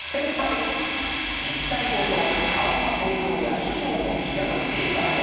１体ごと顔の表情や衣装も違う兵馬俑。